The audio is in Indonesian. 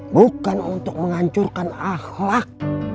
bukan untuk menghancurkan akhlak